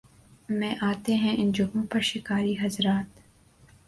میں آتے ہیں ان جگہوں پر شکاری حضرات